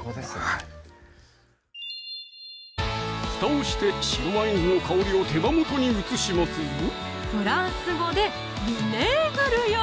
はい蓋をして白ワイン酢の香りを手羽元に移しますぞフランス語でヴィネーグルよ！